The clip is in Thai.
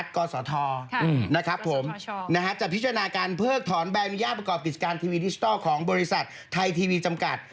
กศธนะครับผมจะพิจารณาการเพิกถอนใบอนุญาตประกอบกิจการทีวีดิจิทัลของบริษัทไทยทีวีจำกัด